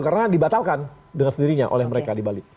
karena dibatalkan dengan sendirinya oleh mereka di bali